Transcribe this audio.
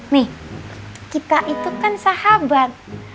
nih kita itu kan sahabat